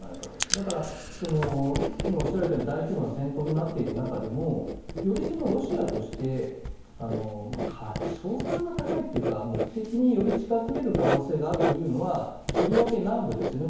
だから、今おっしゃられたように大規模な戦闘になっている中でもよりロシアとして勝算が高いというか目的により近付ける可能性があるというのはとりわけ南部ですよね。